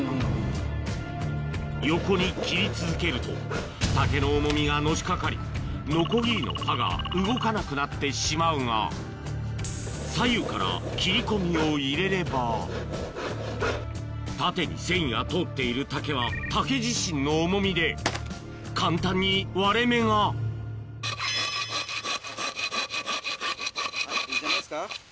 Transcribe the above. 横に切り続けると竹の重みがのしかかりノコギリの刃が動かなくなってしまうが左右から切り込みを入れれば縦に繊維が通っている竹は竹自身の重みで簡単に割れ目がいいんじゃないですか